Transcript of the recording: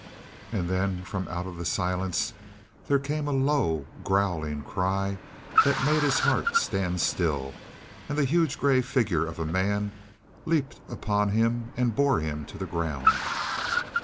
And then, from out of the silence, there came a low, growling cry that made his heart stand still, and the huge gray figure of a man leaped upon him and bore him to the ground.